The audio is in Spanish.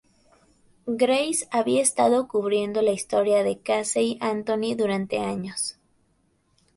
Grace había estado cubriendo la historia de Casey Anthony durante años.